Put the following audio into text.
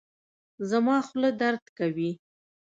زما خوله درد کوي